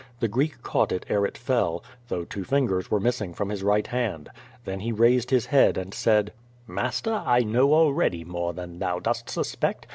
The Oreek caught it ere it fell, though two fingers were missing from his right hand. Then he raised his head and said: "Master, I know already more than thou dost suspect.